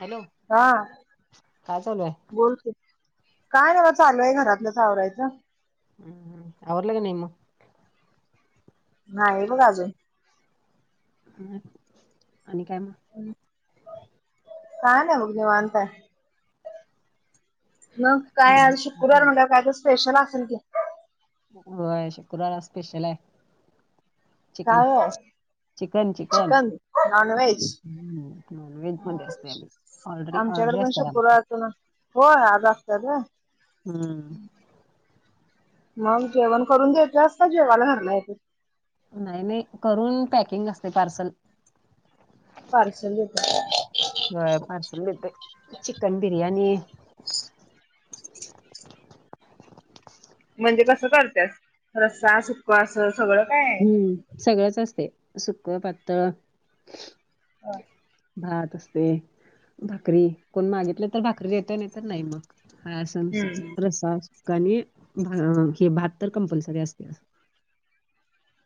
Hello. हा काय चालू ए? बोल की. काय नाही बा चालूये घरातलच आवरायचं. हम्म. हम. आवरलं की नाही मग? नाही बघ अजून. आणि काय मग? हम. काय नाही बघ निवांत ए. मग काय आज शुक्रवार म्हटल्यावर काय तर स्पेशल असेल की? व्हय. शुक्रवार आज स्पेशल आहे. चिकन. काय आहे चिकन. चिकन. हं. नॉनव्हेज [unintelligible] ऑर्डरी, आमच्याकडे ऑर्डरी पण असत्यात आमच्या. शुक्रवारचं होय. आज असतात ना. हम्म. मग जेवण करून देत्यास काय जेवायला घरला येत्यात? नाही नाही. करून पॅकिंग असते पार्सल. पार्सल देत्या. व्हय. पार्सल देतोय. चिकन बिर्याणी- म्हणजे कसं करत्यास? रस्सा, सुकं असं सगळं काय? हम्म सगळंच असतय. सुकं, पातळ. ह! भात असते, भाकरी कोण मागितले तर भाकरी देेतेय नाही तर नाही मग. हासा नुसारज हम्म रस्सा असतो काणि भा हे भात तर कंपल्सरी असतेयं.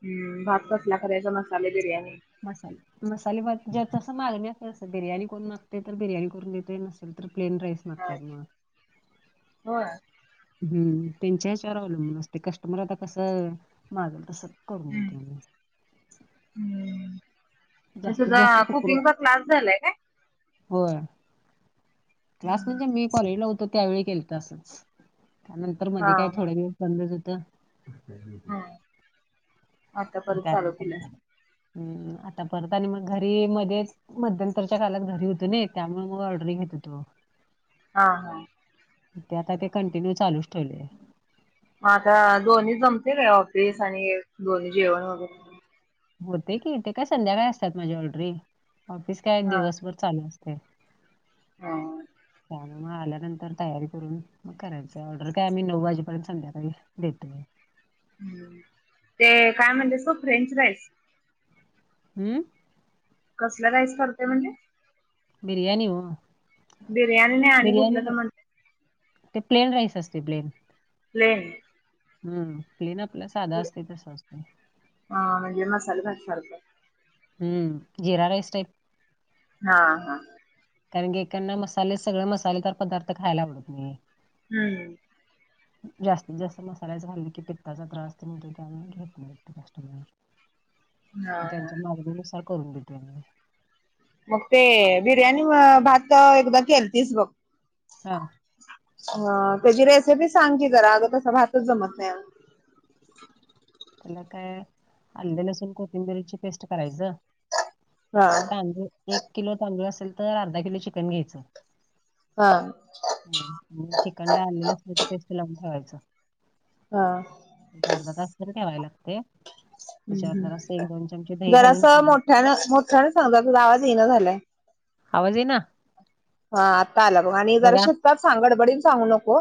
हूं भात कसला करायचा मसाले बिर्याणी? मसाला. मसाले भात ज्याचं असं मागणी असेल तस बिर्याणी कोण मागतयं तर बिर्याणी करून देतेय, नसल तर प्लेन राईस मागत्यात म. होय! हूं त्यांच्या ह्याच्यावर अवलंबून असते, कस्टमर आता कसं मागेल तसं. करून देतो आम्ही. हूं अन तुजा कुकिंगचा क्लास झालाय कायं? होयं क्लास म्हणजे मी कॉलेजला होतो त्यावेळी केलत असंच. त्यानंतर हा. मध्ये काय थोडे दिवस बंदच होत. हा आता परत चालू त्यानंतर केलास नाय का? अ आता परत आणि मग घरी मध्येच मध्यतरच्या कालात घरी होतो नी त्यामुळे मग ऑर्डरिंग घेत होतो. हा हा! ते आता ते कंटिन्यू चालूच ठेवले. आता दोन्ही जमतेय ऑफिस आणि हे दोन्ही जेवण वगैरे. होते कि ते काय संध्याकाळी असतात माझे ऑरडरी ऑफिस काय हा दिवसभर चालू असतय. हा! [inaudible] त्यामुळे मग आल्यानंतर तयारी करून मग करायचं ऑर्डर काय आम्ही नऊ वाजेपर्यंत संध्याकाळी देत नाही. ह ते काय म्हणतेसो फ्रेंच राईस? हूं! कसला राईस करते म्हणले? बिर्याणी हो. बिर्याणी नाही, आणि बिर्याणी कुठलं तर नाही, म्हणले. ते प्लेन राईस असते प्लेन. प्लेन. हूं प्लेन आपल साधा असतय तस असते. हा हा म्हणजे मसालेभात सारखं. हूं जीरा राईस टाईप. हा हा! कारण की ऐकांंना मसाले, सगळ मसालेदार पदार्थ खायला आवडत नाही. हूं! [inaudible] जास्तीत जास्त मसाल्याच खांल्ल की पित्ताचा त्रास तेन होतोय त्यामुळं घेत नाही कस्टमर. हा हा. त्यांच्या मागणीनुसार करून देतोय मी. मग ते बिर्याणी भात एकदा केलतीस बघ? हा! ह त्याची रेसिपी सांग की जरा अगं तसा भातच जमत नाहीया. त्याला काय आल्ले, लसून, कोथिंबिरीची पेस्ट करायचं. हा! तांदूळ, एक किलो तांदूळ असेल तर अर्धा किलो चिकन घ्यायचं. हा! हं, मग चिकनला आले, लसणाची पेस्ट लावून ठेवायच. हा. एक अर्धा तास तरी ठेवाय लागतय. हम्म, हम्म, घालून जरासं फोडणी. मोठ्यान, मोठ्यान सांग, तुमचा आवाज येना झालंय. आवाज इना? हा, आता आला बघ आणि जरा शिसतात सांग, गडबडीन सांगू नको.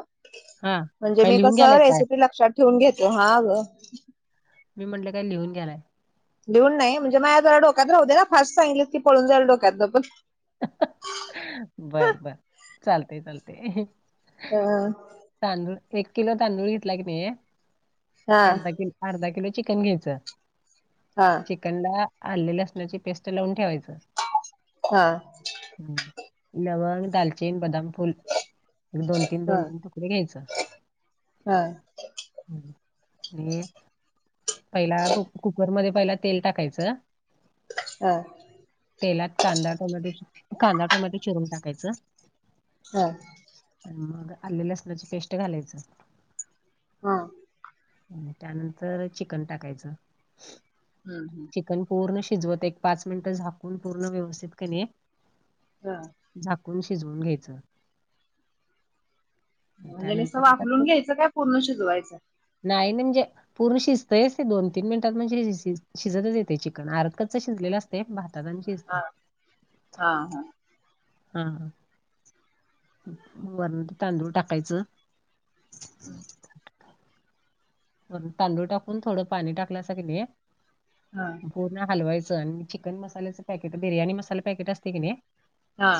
हा म्हणजे, काय मी लिहून कस घ्यालाय काय रेसिपी लक्षात ठेवून घेते, हा ग. मी म्हटलं काय लिहून घ्यालाय. लिहून नाही, म्हणजे माझ्या जरा डोक्यात राहूदे, फास्ट सांगितले की, पळून जायला डोक्यातल पण. [unintelligible] बर बर, चालतय चालतंय. ह. तांदूळ एक किलो तांदूळ की घेतला की नाही, हा अर्धा किलो अर्धा किलो चिकन घ्यायचं हा. चिकनला आले, लसणाची पेस्ट लावून ठेवायच. हा. लवंग, दालचीन, बदाम फुल दोन तीन, हा दोन तीन तुकडे घ्यायच. हा आणि पहिला कुक- कुकरमध्ये पहिला तेल टाकायचं हा. तेलात कांदा टोमॅटो, कांदा टोमॅटो चिरून टाकायच. हा. आणि मग आले, लसणाची पेस्ट घालायचं. हा. आणि त्यानंतर चिकण टाकायचं. हम्म हम्म. पूर्ण शिजवत एक पाच मिनिट झाकून पूर्ण व्यवस्थित की नाही हा झाकुन शिजवून घ्यायचं. म्हणजे नुसत त्यानंतर त्यात वाफलून ते घ्यायचं काय, पूर्ण शिजवायचं? नाही म्हणजे पूर्ण शिजतयच ते दोन, तीन मिनिटात म्हणजे शिजतच येतय चिकन, आर्ध कच्च शिजलेलं असतय, भातात आणि शि शिजतंय. हा, हा. हा, हा, वरन‌ ते तांदूळ टाकायचं [inaudible] वरन तांदूळ टाकून, थोडं पाणी टाकल्यासा की नाही हा. पूर्ण हलवायचं आणि चिकन मसाल्याचं पॅकेट, बिर्याणी मसाले पॅकेट असतय की नाही हा.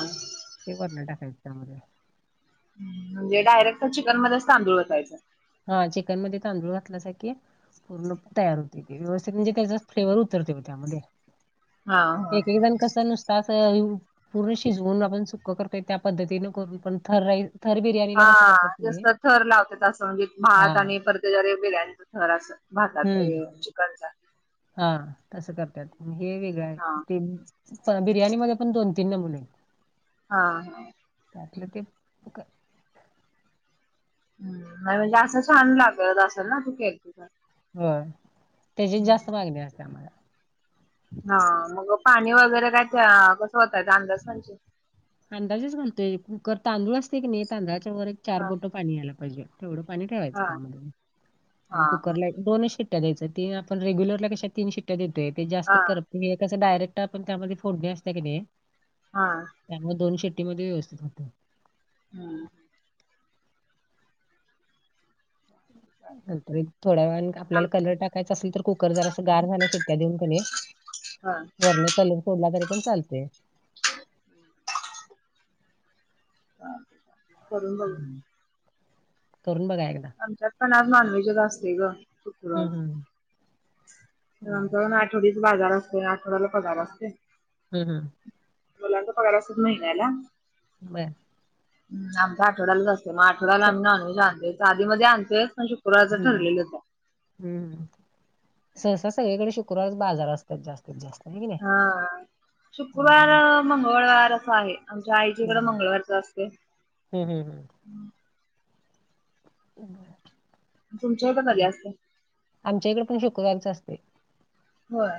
ते वरन टाकायच त्यामध्ये. म्हणजे, डायरेक्ट चिकन मध्येच तांदूळ ओतायच? हा, चिकन मध्ये तांदूळ ओतलासा की पूर्ण तयार होतय ते, व्यवस्थित म्हणजे त्याचाच फ्लेवर उतरतय त्यामध्ये. हा हा एक, एक जण कस नुसत अस, पूर्ण शिजवून आपण सुक क्ख करतोय त्या पद्धतीनं करून पण, थर राई थर हा बिर्याणीला कसं करत्यात की नाही नुसतं थर लावतात असं म्हणजे भात आणि परत त्याच्यावर एक बिर्याणीच थर अस भातात चिकनचा. हा तसं करतात हे वेगळं हा आहे ते पण बिर्याणी मध्ये पण दोन, तीन नमुने हा हा. त्यातलं ते हम्म, नाही म्हणजे असं छान लागल असेल ना तू केल तुझ? हो त्याचीच जास्त मागणी असते आम्हाला. हा मग पाणी वगैरे काय त्या कसं ओतायच अंदाजपंचे? अंदाजेच घालतोय कुकर तांदूळ असते की नाही तांदळाच्या वर एक चार हा बोटं पाणी यायला पाहिजे. तेवढं पाणी ठेवायचं हा त्यामध्ये आणि हा कुकरला दोनच शिट्ट्या घ्यायच तीन आप रेग्युलरला कश तीन शिट्ट्या देतोय ते जास्त हा हा कर हे कस डायरेक्ट आपण त्यामध्ये फोडणे असतय की नाही हा. त्यामुळे दोन शिट्टीमध्ये व्यवस्थित होतय. हम्म. नंतर एक थोड्या वेळान आपल्याला कलर टाकायचं असेल तर कुकर जरा असं गार झालं शिट्ट्या देऊन का नय हा वरण कलर सोडला तरी पण चालतय. [unintelligible] वरुन द्यायच. हम्म. करून बघा एकदा. आमच्यात पण आज नॉनव्हेज असते ग हम्म शुक्रवारी हम्म तर बर आमच्या प छोडीच बाजार असते आठवड्याला पगार असतोय. हम्म, हम्म. मुलांचा पगार असतो महिन्याला. बर. हम्म, आमच्या आठवड्यालाच असते मग आठवड्याला स- आम्ही नॉनव्हेज आणते तर आधीमध्ये आणते पण शुक्रवारच हम्म. ठरलेलंच आहे. हम्म, सहसा सगळीकडे शुक्रवारी बाजार असतात जास्तीत जास्त आहे की नाही? हा शुक्रवार, हम्म मंगळवार असं आहे आमच्या आईच्या इकडे मंगळवारच असते. हम्म, हम्म, हम्म. हो [inaudible] तुमच्या इकडे कधी असते? आमच्या इकडे पण शुक्रवारीच असते. होय.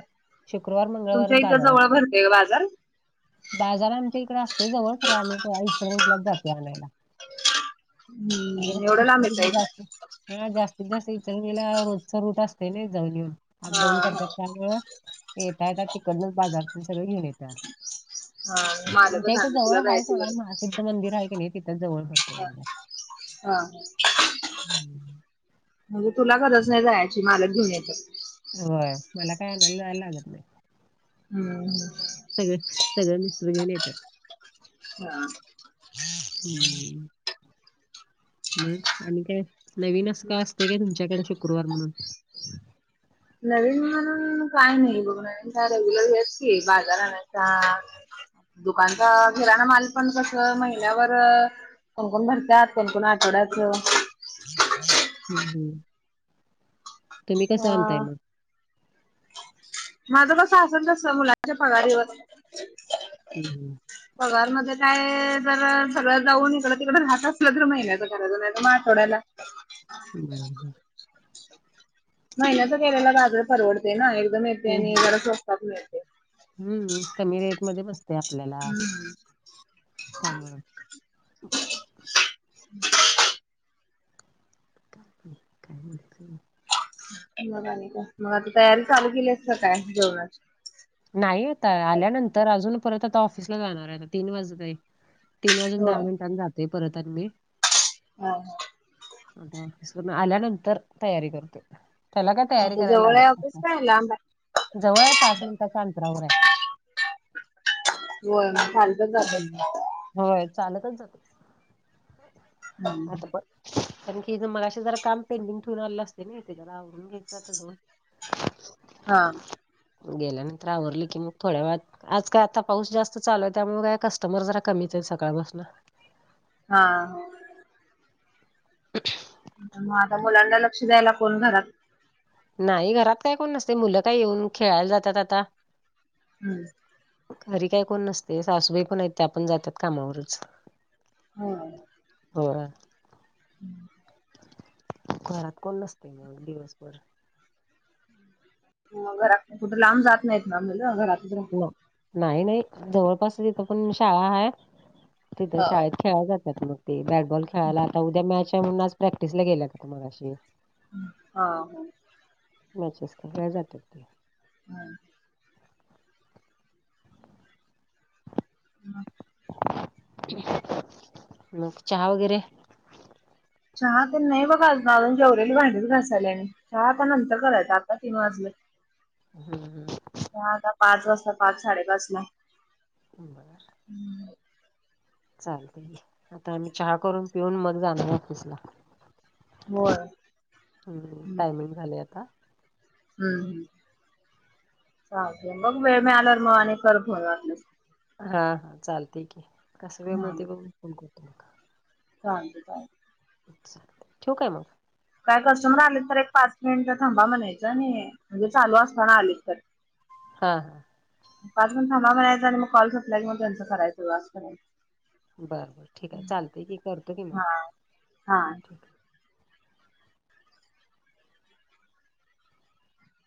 शुक्रवार, मंगळवारच बाजार असतो. देव बाजार [unintelligible] बाजार आमच्या इकडे असते जवळ खर आम्ही इतर वेळेलाच जातोय आणायला. हम्म एवढं लांब म्हणजे क येताय का? जास्त हा जास्तीत, जास्त विचणीला रोजचा रूट असते ना जाऊन, येऊन. हा अपडाऊन हा करतात त्यामुळं येता, येता तिकडन बाजारातून सगळे घेऊन येतात. हा. [inaudible] आमच्या इथे जवळ तुला आहे जायची सोडा गरज महाासिद्ध मंदिर आहे की नाही तिथे जवळ भरते बाजार. हा. हम् [inaudible] म्हणजे तुला गरज नाही जायची मालक घेऊन येतात? होय मला काही आनायला जा लागत नाही. हम्म, हम्म. सगळं, सगळं मिस्तर घेऊन येतात. हां. हुं. मग आणि काय? नवीन असं काय असतय का तुमच्याकडे शुक्रवार म्हणून? नवीन म्हणून काय नायी, बघ नवीन तर रेग्युलर हेच की बाजार आणायचा दुकानचा किराणा माल पण कस महिन्यावर कोणकोण भरत्यात कोणकोण आठवडायचं हुं हुं. तुम्ही कसं आणताय अ मग? माझं कस आसल तस मुलांच्या पगारीवर. हुं हुं. पगारमध्ये काय तर सगळं जाऊन इकडं तिकड राहत असलं तर महिन्याचा करायचा नायतर मग आठवड्याल्या. बरोबर महिन्याचा केल्याला बाजार परवडतेय ना एकदम येते आणि जरा स्वस्तात मिळतय. हुं कमी रेट मध्ये बसतय आपल्याला त्यामुंळ काय माहीती नाही मग आणि काय, म आता तयारी चालू केल्यास काय जेवणाची? नाही आता आल्यानंतर अजून परत आता ऑफिसला जाणारायं तीन वाजतहाय तीन वाजून होय. दहा मिनिटांनी जातोय परत आणि मी हां ऑफिस वरुन आल्यानंतर तयारी करते. त्याला काय तयारी आता करायला जवळ आहे लागत ऑफिस नाही. काय लांब आहे? जवळयं पाच मिनिटाच्या अंतरावर हाय. होय म चाल हं होय चालतच जाते [inaudible] आता पण? कारण की मघाशी जरा काम पेंडिंग ठेवून आलेलो अस ते ने येते जरा आवरुन घ्यायचे आता जरा. हा गेल्यानंतर आवरली की मग थोड्या वेळात आज काय आता पाऊस जास्त चालूय त्यामुळे काय कस्टमर जरा कमीचायं सकाळपासन. हां हां. [inaudible] मग आता मुलांना लक्ष द्यायला कोण घरात? नायी घरात काय कोण नसतयं मुलं काय येऊन खेळायला जात्यात आता हुं. घरी काय कोण नसतय सासूबाई पण हायत त्यापण जात्यात कामावरच. हां. होय. [inaudible] घरात कोण नसतय मग दिवसभर मग घरात कुठ लांब जात नायीत ना मुल घरात [inaudible] नाही नाही जवळपास इथं पण शाळा हाय तिथं हो. शाळेत खेळाला जात्यात मग. ते बॅटबॉल खेळायला आता उद्या मॅच हाय म्हणून आज प्रॅक्टिस ला गेल्यात मगशी हां होतं. मॅचेस खेळाय जातात ते [inaudible] [inaudible] मग चहा वगैरे? चहा ते नाही बाबा अजून जेवरेली भांडीत घासायले मी, चहा आता नंतर करायचा आता तीन वाजले. हम् हम.... ह आता पाच वाजता, पाच साडेपाच ला. बर..... हम्म. चालतंय की, आता आम्ही चहा करून पिऊन मग जाणार ऑफिसला. होय. हम्म टायमिंग झालं आता. हम्म हम्, चालतंय मग बग वेळ मिळाल्यावर मग आणि कर थोड्या वेळाने. हा हा चालते की, कस वेळ मिळतो बघ फोन करतो. चालते चालते. चालतंय ठेवू का मग? काय कस्टमर आले तर एक पाच मिनिट थांबा म्हणायचं आणि चालू असताना आले तर, हा. पाज मिनिट थांबा म्हणायचं आणि मग कॉल संपला मग त्यांचं करायचंज, असं करायचं. बरबर ठीक आहे. चालतय की, करतो की मग हा. हा. ठीक